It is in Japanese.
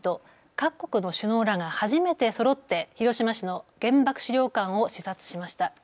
各国の首脳らが初めてそろって広島市の原爆資料館を視察しました。